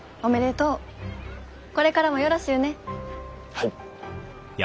はい。